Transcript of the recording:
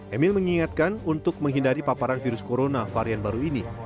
emil mengingatkan untuk menghindari paparan virus corona varian baru ini